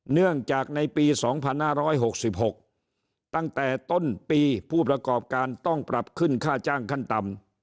เนื่องจากในปี๒๕๖๖ตั้งแต่ต้นปีผู้ประกอบการต้องปรับขึ้นค่าจ้างขั้นต่ำ